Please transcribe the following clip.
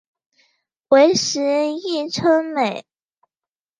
为时议称美。